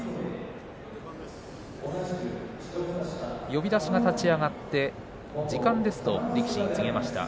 呼出しが立ち上がって時間ですと力士に告げました。